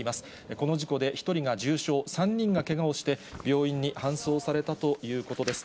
この事故で１人が重傷、３人がけがをして、病院に搬送されたということです。